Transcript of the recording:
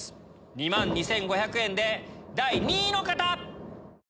２万２５００円で第２位の方！